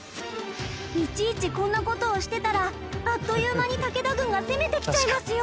いちいちこんな事をしてたらあっという間に武田軍が攻めてきちゃいますよ！